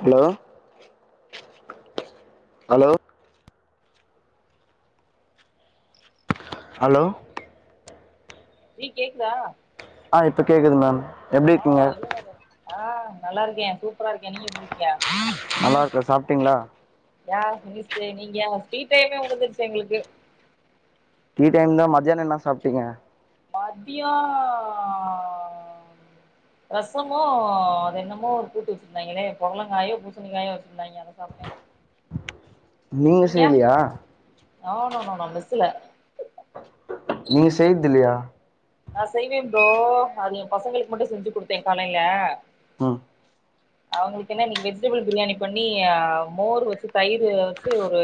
Hello hello hello ஜீ கேக்குதா ஆ இப்ப கேக்குது மேம் எப்படி ஓ இருக்கீங்க இல்லல்ல ஆ நல்லா இருக்கே சூப்பரா இருக்கே நீங்க எப்டி இருக்கிங்க நல்லா இருக்க சாப்ட்டிங்ளா யார் மினிஸ்ட்ரு நீங்க ஏ ஸ்ட்ரிட்டைவே உழுந்துருச்சு எங்ளுக்கு டீ டைம் தா மத்யான என்னா சாப்டீங்க மதிய ரசமு அது என்னமோ ஒரு கூட்டு வச்சிருந்தாய்ங்ளே பொடலங்காயோ பூசணிக்காயோ வச்சிருந்தாய்ங்க அத சாப்ட்டே நீங்க செய்யலியா நோ நோ நோ மெஸ்ஸுல நீங்க செய்ர்து இல்லயா நா செய்வே ப்ரோ அது எம் பசங்களுக்கு மட்டு செஞ்சு குடுத்தே காலைல அ அவங்ளுக்கு என்ன இன்னைக்கு வெஜிடபிள் பிரியாணி பண்ணி மோர் வச்சு தயிர் வச்சு ஒரு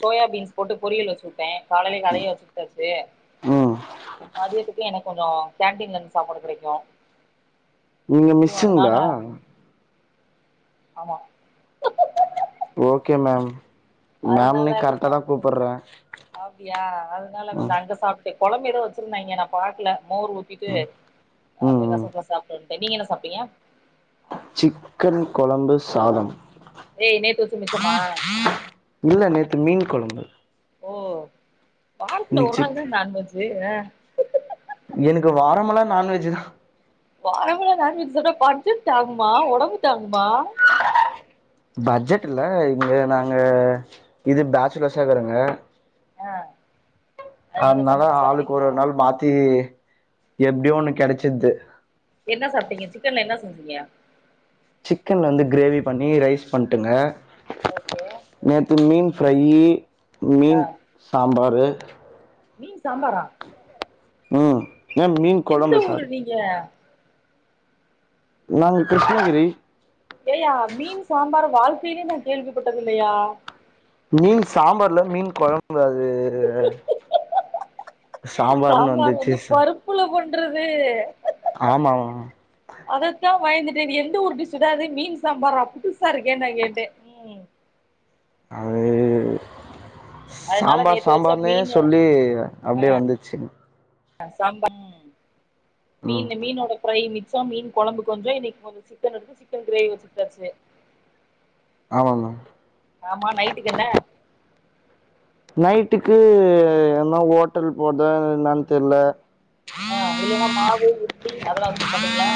சோயா பீன்ஸ் போட்டு பொரியல் வச்சுட்டே காலைல அதையே வச்சுக்டாச்சு ம் மதியத்துக் இன்னைக் கொஞ்ச கேண்டீன்ல இருந்து சாப்பாடு கெடைக்கு நீங்க சோ அதனால மிஸ்ஸுங்ளா ஆமா ஓகே மேம் அதனால மேம்னு கொஞ்ச கரெக்டாக தான் அங்க கொஞ்ச கூப்பிடுறேன் அப்டியா அதனால கொஞ்ச ம் அங்க சாப் கொழம்பு எதோ வச்சிருந்தாய்ங்க நா பாக்ல மோர் ஊத்திட்டு ம் அப்டியே ம் ரசத்த சாப்ட்டு வன் ட்ட நீங்க என்ன சாப்டிங்க சிக்கன் கொழம்பு சாதம் ஏய் நேத்து வச்ச மிச்சமா இல்லை நேற்று மீன் கொழம்பு ஓ பார்க்குல ஒருநாள் சிக் தா நான்வெஜி எனக்கு வாரமெல்லா நான்வெஜ் தா வாரமல நான்வெஜ் சொன்ன பட்ஜிட் தாங்குமா ஒடம்பு தாங்குமா [unintelligible] பட்ஜெட் இல்ல இங்க நாங்க இது பேச்சுலர்ஸா வருங்க ஆ அதனால சமச்சு ஆளுக்கு ஒரு சாப்ட்டீங்களா ஒரு நாள் மாத்தி எப்டியோ ஒண்ணு கெடைச்சது என்ன சாப்ட்டீங்க சிக்கன்ல என்ன செஞ்சீங்க சிக்கன்ல வந்து கிரேவி பண்ணி ரைஸ் பண்டுங்க ஓகே நேத்து மீன் ஃபிறை ஆ மீன் சாம்பார் மீன் சாம்பாரா ம் ஏ மீன் எந்த கொழம்பு ஊரு சாரி நீங்க நாங்க கிருஷ்ணகிரி ஏயா மீன் சாம்பார வாழ்க்கையிலயே நான் கேள்விப்பட்டது இல்லையா மீன் சாம்பார் இல்ல மீன் கொழம்பு அது சாம்பார்னு வந்துச்சு சா ற்றது அததா வயந்து ச எந்த ஊர் டீஸ்சுடா இது மீன் சாம்பாரா புட்டுசா இருக்கேன்னு நான் கேட்டே ம் அது அதனால சாம்பார் நேத்து வச்ச சாம்பார்னே மீனு சொல்லி அப்டியே வந்துச்சு சாம்பா ம் மீன் மீனோட ஃபிரை மீன் கொழம்பு கொஞ்சோ இன்னைக்கு கொஞ்சோ சிக்கன் எடுத்து சிக்கன் கிரேவி வச்சிகிட்டாச்சு ஆமாங்க ஆமா நைட்டுக்கு என்ன நைட்டுக்கு என்ன ஓட்டல் போறதா என்னான்னு தெரில ஆ இல்லன்னா மாவு இட்லி அதெல்லா வச்சுக்க மாட்டீங்களா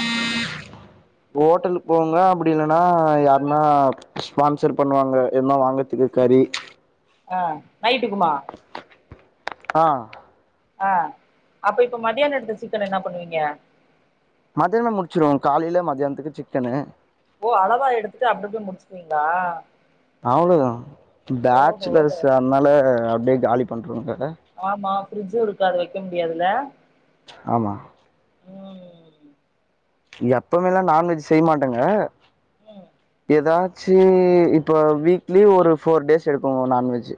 ஓட்டலுக்கு போங்க அப்படி இல்லன்னா யாருன்னா ஸ்பான்சர் பண்ணுவாங்க எனா வாங்கறதுக்கு கறி இ ஆ நைட்டுக்குமா ஆ ஆ அப்ப இப்ப மதியான எடுத்த சிக்கன் என்ன பண்ணுவீங்க மதியானம் முடிச்சிருவோ காலையில மதியானத்துக்கு சிக்கனு ஓ அளவா எடுத்துட்டு அப்டி அப்டியே முடிச்சுக்குவீங்களா அவ்ளோதா ஓஹோ பேச்சலர்ஸ் அதனால அப்டியே காலி பண்றாங்க ஆமா ஃபிரிட்ஜு இருக்காது வைக்க முடியாதுல ஆமா ம் எப்பவுமே எல்லா நான்வெஜ் செய்ய மாட்டங்க ம் ஏதாச்சு இப்ப வீக்லி ஒரு ஃபோர் டேஸ் எடுக்கு நான்வெஜ்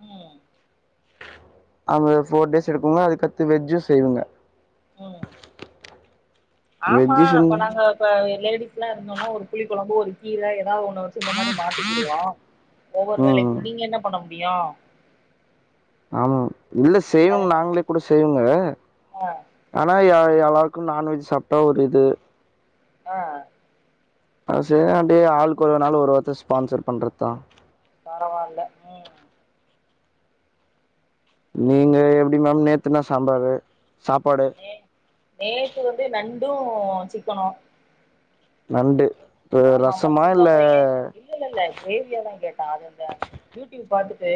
ம் அவங்க ஃபோர் டேஸ் எடுப்போங்களா அதுக்கத்து வெஜ்ஜு செய்வங்க ம் ஆமா வெஜ்ஜு செஞ் இப்ப நாங்க இப்ப லேடிஸ் எல்லாம் இருந்தோம்னா ஒரு புளி கொழம்பு ஒரு கீர தா ஒன்ன வச்சி இந்த மாதி மாட்டிகிடுவோ ஒவ்வொரு ம் வேலைக்கு நீங்க என்ன பண்ண வியா ஆமா இல்ல செய்வங்க நாங்களே கூட செய்வங்க ஆ ஆனா எல்லாருக்கு நான்வெஜ் சாப்ட்டா ஒரு இது ஆ ச ஆளுக்கு ஒரு நாள் ஒரு வாரத்த ஸ்பான்சர் பண்றதா பரவால்ல ம் நீங்க எப்டி மேம் நேத்துனா சாம்பாரு சாப்பாடு நே நேத்து வந்து நண்டு சிக்கணு நண்டு இப்ப ஆமாமா ரசமா சின்ன இல்ல பையன் இல்ல இல்ல கிரேவியாதா கேட்டான் அது அந்த யூடியூப் பாத் து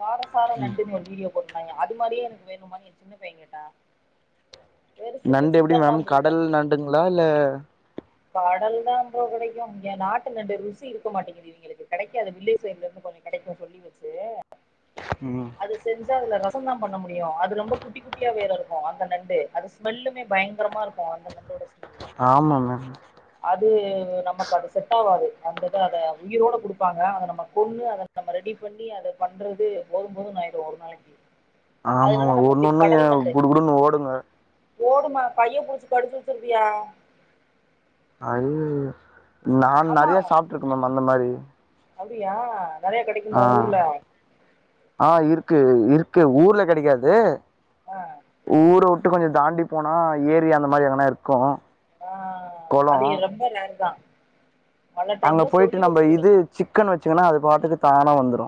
காரசார நண்டுனு ஒரு வீடியோ போட்டுருந் தாங்க அது மாரியே எனக்கு வேணுமானு என் சின்ன பையன் கேட்டா பெருசுக்கு நண்டு எப்டி சிக்கன் தா மேம் கடல் நண்டுங்ளா இல்ல கடல்தாம்பா கெடைக்கு இங்க நாட்டு ரெண்டு ருசி இருக்க மாட்டேங்குது இவிங்களுக்கு கெடைக்காது வில்லேஜ் சைடுலந்து கொஞ்சோ கெடைக்கு சொல்லி வெச்சு ம் அது செஞ்சா அதுல தா பண்ண முடியு அது ரொம்ப குட்டி குட்டியா வேற இருக்கு அந்த நண்டு அது ஸ்மெல்லுமே பயங்கரமா இருக்கு அந்த நண்டோட ஸ்மெல்லு ஆமா மேம் அது நமக்கு அது செட் ஆவாது அந்தித அத உயிரோட குடுப்பாங்க அத நம்ம கொண்ணு அத நம்ம ரெடி பண்ணி அத பண்றது போதும் போதுனு ஆயிடு ஒரு நாளைக்கு ஆமாமா அதனால நம்ம ஒண்ணு இப்டி ஒண்ணு ஏ குடு குடுனு ஓடுங்க ஓடுமா கைய புடுச்சு கடிச்சு வெச்சிருதுயா அது நா ஆமா நெறயா சாப்ட்டு இருக்க மேம் அந்த மாரி அப்டியா நெறயா ஆ கெடைக்குமா உங்க ஊர்ல க்கு இருக்கு ஊர்ல கெடைக்காது ஆ ஊர வி ட்டு கொஞ்சோ தாண்டி போனா ஏரி அந்த மாரி எங்கனா இருக்கு ஆ கொளோ அது எ ரொம்ப ரேர்தா அங்க போயிட்டு நம்ம இது சிக்கன் வெச்சுங்கனா அது பாட்டுக்கு தானா வந்துரு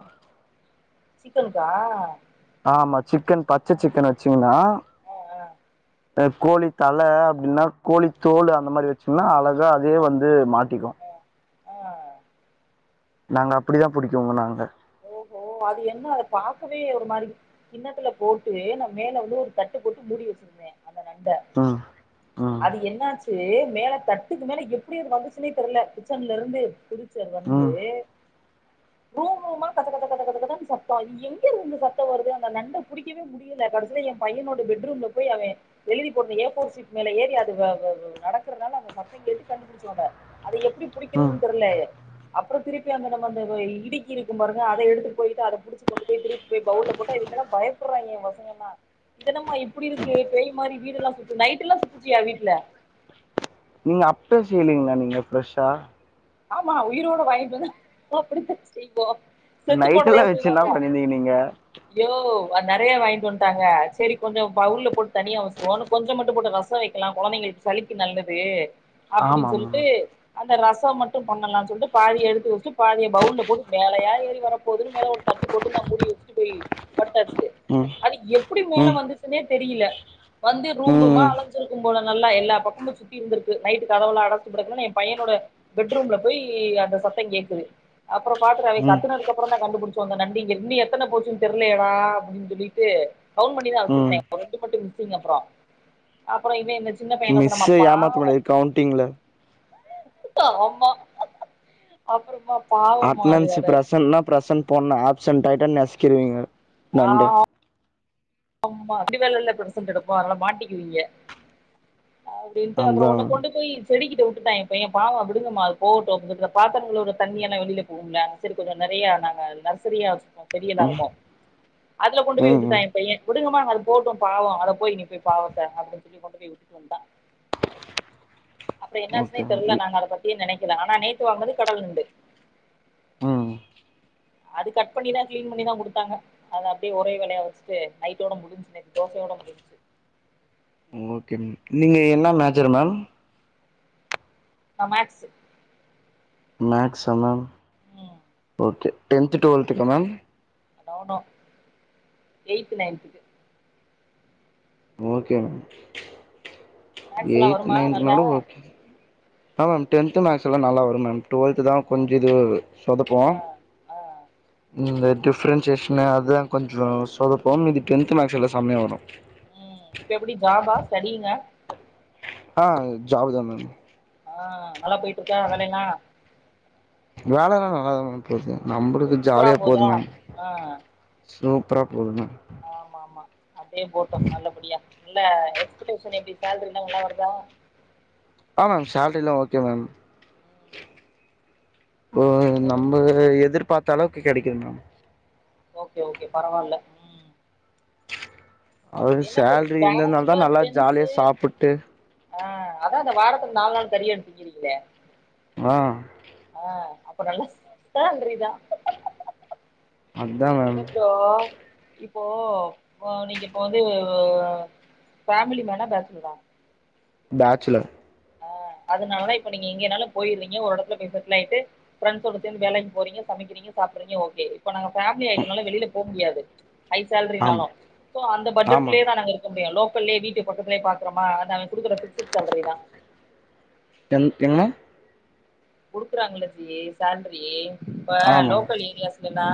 சிக்கனுக்கா ஆமா சிக்கன் ஆ பச்ச சிக்கன வெச்சீங்னா ஆ கோழி தல அப்டினா கோழி தோல் அந்த மாரி வெச்சீங்னா அழகு தா அதே வந்து மாட்டிக்கு ஆ ஆ நாங்க அப்டிதா புடிக்குவோ நாங்க ஓ அது என்ன அத பாக்கவே ஒரு மாரி கின்னத்துல போட்டு நா மேல வந்து ஒரு தட்டு போட்டு மூடி வெச்சிருந்தே அந்த நண்ட ம் ம் அது என்னாச்சு மேல தட்டுக்கு மேல எப்டி அது வந்துசுனே தெர்ல கிச்சன்ல இருந்து புடு சர் வந்து ம் ரூம் ரூமா கத கத கத கத கதன்னு சத்தோ எங்கிருந்து இந்த சத்தோ வருது அந்த நண்ட புடிக்கவே முடில கடைசில என் பையனோட பெட்ரூம்ல போய் அவன் எழுதி போடனு ஏஃபோர் ஷீட் மேல ஏறி அது வ வ நடக்கறனால அந்த சத்தங் கேட்டு கண்டுபிடிச்சோ அத அத எப்டி ம் புடிக்கணுனு தெரில அப்றோ திருப்பி அந்த நம்ம அந்த இடுக்கி இருக்கும் பாருங்க அத எடுத்து போயிட்டு அத புடிச்சு கொண்டு போய் திருப்பி பௌவுல்ல போட்டா பயப்படறாங்க பசங்கெல்லா இதென்னமா இப்டி இருக்கு பேய் மாரி வீடு எல்லா சுத்துது நைட் எல்லா சுத்துச்சு எ வீட்ல நீங்க அப்பே செய்யலீங்ளா நீங்க ஃப்ரெஷ்ஷா ஆமா உயிரோட வாங்கிட்டு வந்தா அப்டித்தா செய்வோ செத்து போனதயா நைட்டெல்லா வச்சு என்னா செய்வாங்க பண்ணிருந்தீங்க நீங்க யோ நெறயா வாங்கிட்டு வந்ட்டாங்க சரி கொஞ்சோ பௌல்ல போட்டு தனியா வெச்சிருவோ கொஞ்சம் மட்டு போட்டு ரசோ வெக்கலா கொழந்தைகளுக்கு சளிக்கு நல்லது ஆமா அப்டின்னு ஆமா சொல்ட்டு அந்த ரசோ ம ட்டு பண்ணலானு சொல்ட்டு பாதி எடுத்து வெச்சு பாதிய பௌல்ல போட்டு மேலயா ஏறி வர போதுனு மேல ஒரு தட்டு போட்டு நா மூடி வெச்சிட்டு போய் படுத்தாச்சு ம் அது எப்டி மேல ம் வந்துச்சுனே தெரியல வந்து ரூம் ரூமா ம் அலஞ்சிருக்கும்போல நல்லா எல்லா பக்கமும் சுத்தி இருந்திருக்கு நைட் கதவுள அடச்சு கெடக்குனு என் பையனோட பெட்ரூம்ல போய் அந்த சத்தோ கேக்குது அப்றோ பாக்குறோ அவன் ம் ம் கத்துனதுக்கு அப்றோந்தா கண்டுபிடிச்சோ அந்த நண் எண்ணி எத்தன போச்சுனு தெரியலயேடா அப்டின்னு சொல்லிட்டு கவுன் பண்ணிதா ம் வெச்சிருந்தே ஒரு ரெண்டு மட்டு மி ஸ்ஸிங அப்றோ அப்றோ இவன் இந்த சின்ன பையன் என்ன சொன்னா அம்மா மிஸ்ஸ ஏமாத்த பாவோ முடியாது கவுண்டிங்ல ஆமா அப்புறமா பாவமா அது அட்னன்ஸு அது ப்ரசன்னா ப்ரசன் போட்னு ஆப்சன்ட் ஆய்டா நஸ்க்கிருவீங்க ஆ ஆமா [unintelligible] வேலல்ல பிர்சன்ட் எடுப்போ அத்னால மாட்டிக்கிவீங்க அப்டின்ட்டு அப்ற அதா ஒன்ன கொண்டு போயி செடிக்கிட்ட உட்டுட்டா எ பையன் பாவொ விடுங்கமா அது போகட்டு [unintelligible] பாத்தரங்களுற தண்ணியல்லா வெளில போவும்ல செரி கொஞ்ச ந ரிய நாங்க நர்சரியா வச்சிருப்போ செடியல்லா ம் இருக்கு அதுல கொண்டு போய் ம் விட்டுடா ம் எ உடுங்கமா அது போவுட்டு பாவொ அத போய் நீ போய் பாவத்த அப்டின் சொல்லி கொண்டு போய் உட்டுட் டு வன்ட்டா [inaudible] அப்ற என்னாச்சுன்னே ஓகே தெரில மேம் நாங்க அத பத்தியே நெனக்கல ஆனா நேத்து வாங்னது கடல் நண்டு ம் அது கட் பண்ணிதா க்ளீன் பண்ணிதா குடுத்தாங்க அத அப்டே ஒரே வேலயா வச்ட்டு நைட்டோட முடிஞ்சு நேத் தோசயா போட முடுஞ்ச்சு ஓகே ம் நீங்க என்னா மேஜர் மேம் நா மேக்ஸு மேக்ஸா மேம் ம் ஓகே டென்த் டுவல்த்துக்கு மேம் நோ நோ எய்த் நையன்த்துக்கு ஓகே ம் மேக்ஸ்லா எய்த் வருமா நல்லா நையன்த்னாலு ஓகே ஆமா ம் டென்து மேக்ஸு எல்லா நல்லா வரு மேம் டுவல்த்து தா ஆ கொஞ்ச இதுவர் சொதப்பு ஆ ஆ இந்த டிஃப்ரன்ஷேஷ்னு அதுதா கொஞ்சொ சொதப்பு மீதி டென்த் மேக்ஸ் எல்லா சம்யா வரு ம் இப்ப எப்புடி ஜாபா ஸ்டடியிங்கா ஆ ஜாவு தா மேம் ஆ நல்லா போய்ட்ருக்கா வேலைலா வேலலா நல்லாதா மேம் போது நம்புளுக்கு சூப்பரா ஜாலியா போது போதா மேம் ஆ சூப்ரா போது மே ஆமா ஆமா அப்டே போட்டு நல்லபடியா இல்ல எக்ஸ்படேஷன் எப்டி சேல்ரிலா நல்லா வர்தா ஆ சேல்ரிலா ஓகே தான் ம். போ ஒரு நம்ப எதுர்பாத்த அளவுக்கு கெடக்கிது மேம் ஓகே ஓகே பரவால்ல ம் அது என்னப்பேஜ் சேல்ரி இருந்ததுனால தா பேச்சுலர் நல்லா ஜாலியா பென்ஸு சாப்புட்டு அ அதா அந்த வாரத்துக்கு நாலு நாள் கறியட் திங்கிறீங்ளே ஆ அப்ப நல்ல சேல்ரி தா அதா இல்ல மேம் ப்ரோ போ ஒ நீங்க இப்ப வந்து ஃபேமிலி மேனா பேச்சிலரா பேச்சுலர் அதுனால இப்ப நீங்க எங்கேனாலு போய்ருவீங்க ஒரு எடத்துல போய் செட்டுல் ஆயிட்டு ஃபிரெண்ஸோட சேந்து வேலைக் போறீங்க சமக்கிறீங்க சாப் அப்றிங்க ஓகே இப்ப நாங்க ஃபேம்லி ஆயிட்டனால வெளியில போ முடியாது ஹை ஆமா சேல்ரினாலு சோ அந்த ஆமா பட்ஜெட்குள்ளே தா நாங்க இருக்க முடியு லோ கொல்லே வீட்டு பக்கத்லே பாக்ரமா அத் அவேன் குடுக்குற ஃபிக்சுட் சேல்ரி தா டென் [unintelligible] குடுக்குறாங்ள்ள ஜி சேல்ரி இப்ப ஆமா லோக்கல் ஏரியாஸ்லலா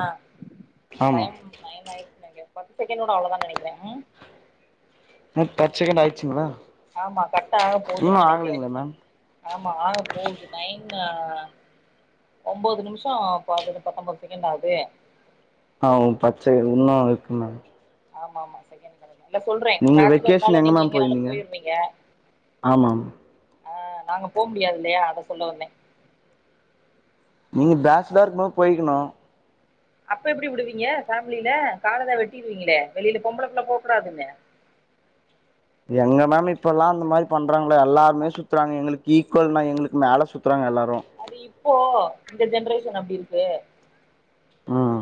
ஆமா டைம் நயன் ஆயிர்ச் நென்க்ர பத்து செக்கேண்டோட அவ்ளோ தா நெனக்கிற ம் பச் செகேண் ஆயிச்சிங்ளா ஆமா கட் ஆக போதுன் நெனக்கிற மேம் ஆமா ஆக போவுது நைன் அ ஒன்போது நிம்ஷோ பதுனு பத்தம்போது செகேண் ஆவ்து ஆ ஒ பச்சை இன்னோ இருக்கு மேம் ஆமா ஆமா செகண்ட் [inaudible] இல்ல சொல்ற இப்ப நீங்க பேச்சுலர்னால வெக்கேஷன் எங்க நீங்க மேம் எங்கனாலு போயிருந்தீங்க போயிர்றீங்க ஆமாம் அ நாங்க போ முடியாதுல்லையா அத சொல்ல வந்த நீங்க பேச்லர்கக்கு போ போயிக்கணு அப்ப எப்டி விடுவீங்க ஃபேமிலில காலதா வெட்டிருவீங்களே வெளில பொம்பளப்புள்ஹ போக்கூடாதுன்னு எங்க மம் இப்பல்லா அந்ந மாதிரி பண்றாங்கள எல்லாருமே சுத்துறாங்க எங்களுக்கு ஈக்குவல்னா எங்களுக்கு மேல சுத்துறாங்க எல்லாரு அது இப்போ இந்த ஜென்ரேஷன் அப்டி இருக்கு ம்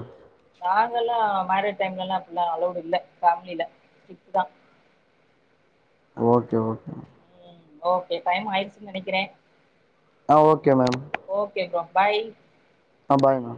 நாங்கல்லா மரீட் டைம்ல எல்லா அப்டில்லா அலோவ்ட் இல்ல ஃபேமில ஸ்ட்ரிட் தா ஓகே ஓகே ம் ஓகே டைம் ஆய்டுச்சுன் நெனைக்கிற ஆ okay ma'am okay bro bye ஆ பாய்ங்க